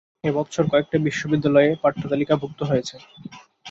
এ-বৎসর কয়েকটা বিশ্ববিদ্যালয়ে পাঠ্যতালিকাভূক্ত হয়েছে।